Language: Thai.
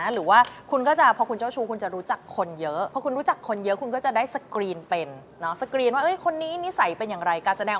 หรือว่าคุณก็จะพอคุณเจ้าชู้คุณจะรู้จักคนเยอะ